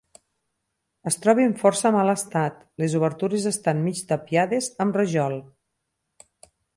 Es troba en força mal estat, les obertures estan mig tapiades amb rajol.